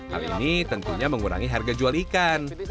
hal ini tentunya mengurangi harga jual ikan